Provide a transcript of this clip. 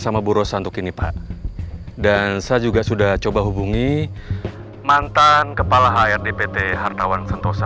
sama bu rosa untuk kini pak dan saya juga sudah coba hubungi mantan kepala hrd pt hartawan santosa